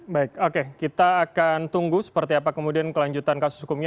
baik oke kita akan tunggu seperti apa kemudian kelanjutan kasus hukumnya